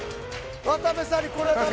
渡部さんにこれは何だ？